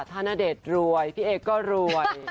ถ้าณเดชน์รวยพี่เอก็รวย